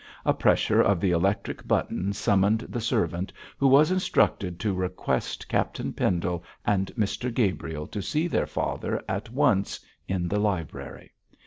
A pressure of the electric button summoned the servant, who was instructed to request Captain Pendle and Mr Gabriel to see their father at once in the library.